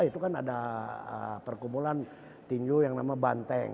itu kan ada perkumpulan tinju yang nama banteng